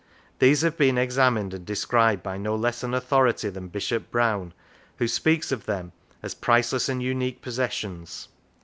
These have been examined and described by no less an authority than Bishop Browne, who speaks of them as " priceless and unique possessions."